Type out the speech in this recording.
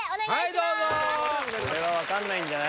はいどうぞこれは分かんないんじゃない？